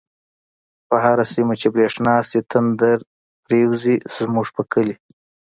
په هر سيمه چی بريښنا شی، تندر پر يوزی زموږ په کلی